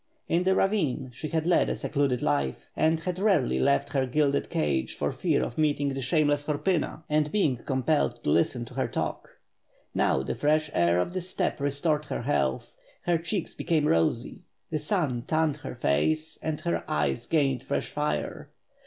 In the ravine she had led a secluded life, and had rarely left her gilded cage for fear of meeting the shameless Horpyna, and being compelled to listen to her talk. Now the fresh air of the steppe re stored her health, her cheeks became rosy, the sun tanned her face, and her eyes gained fresh fire.